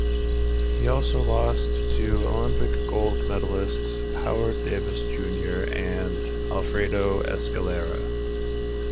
He also lost to Olympic gold medalist Howard Davis Junior and Alfredo Escalera.